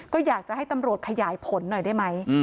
ก็อยากจะให้ตำรวจขยายผลหน่อยได้ไหม